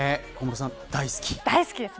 大好きです。